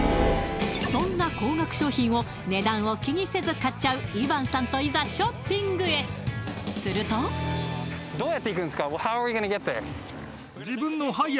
そんな高額商品を値段を気にせず買っちゃうイヴァンさんといざショッピングへするとこれ！？